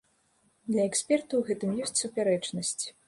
Для эксперта ў гэтым ёсць супярэчнасць.